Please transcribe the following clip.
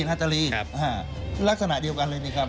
นาตาลีลักษณะเดียวกันเลยนี่ครับ